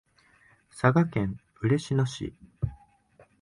佐賀県嬉野市